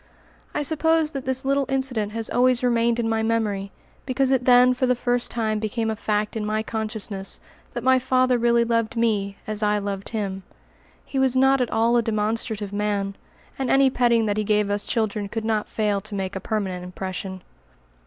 I suppose that this little incident has always remained in my memory because it then for the first time became a fact in my consciousness that my father really loved me as I loved him. He was not at all a demonstrative man, and any petting that he gave us children could not fail to make a permanent impression.